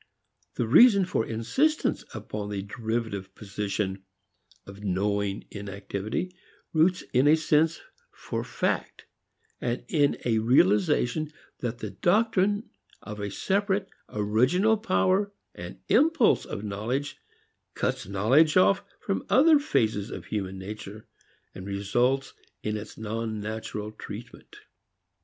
The reason for insistence upon the derivative position of knowing in activity, roots in a sense for fact, and in a realization that the doctrine of a separate original power and impulse of knowledge cuts knowledge off from other phases of human nature, and results in its non natural treatment.